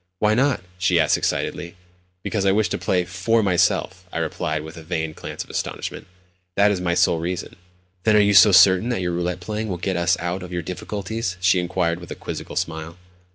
"Why not?" she asked excitedly. "Because I wish to play for myself," I replied with a feigned glance of astonishment. "That is my sole reason." "Then are you so certain that your roulette playing will get us out of our difficulties?" she inquired with a quizzical smile.